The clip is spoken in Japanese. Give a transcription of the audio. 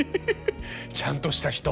ちゃんとした人。